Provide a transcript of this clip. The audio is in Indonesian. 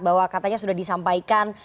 bahwa katanya sudah disampaikan